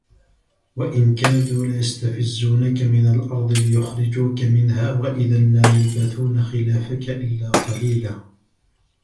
وَإِنْ كَادُوا لَيَسْتَفِزُّونَكَ مِنَ الْأَرْضِ لِيُخْرِجُوكَ مِنْهَا وَإِذًا لَا يَلْبَثُونَ خِلَافَكَ إِلَّا قَلِيلًا